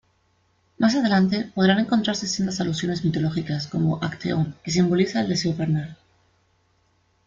Más adelante, podrán encontrarse sendas alusiones mitológicas, como Acteón, que simboliza el deseo carnal.